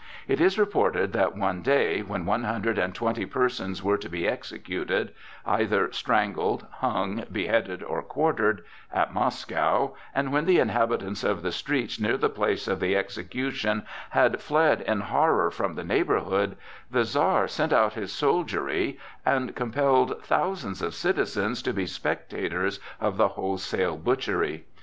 It is reported that one day when one hundred and twenty persons were to be executed—either strangled, hung, beheaded, or quartered—at Moscow, and when the inhabitants of the streets near the place of the execution had fled in horror from the neighborhood, the Czar sent out his soldiery and compelled thousands of citizens to be spectators of the wholesale butchery.